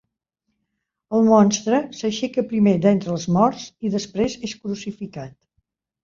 El monstre s"aixeca primer d"entre els morts i després és crucificat.